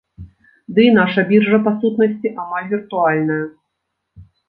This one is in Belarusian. Ды і наша біржа, па сутнасці, амаль віртуальная.